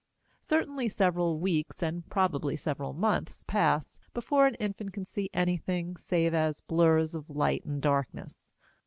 Certainly several weeks, and probably several months, pass before an infant can see anything save as blurs of light and darkness.